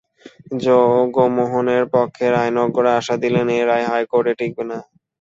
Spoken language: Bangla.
জগমোহনের পক্ষের আইনজ্ঞরা আশা দিলেন এ রায় হাইকোর্টে টিঁকিবে না।